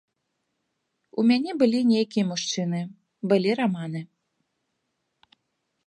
У мяне былі нейкія мужчыны, былі раманы.